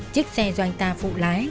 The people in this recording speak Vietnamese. chiếc xe do anh ta phụ lái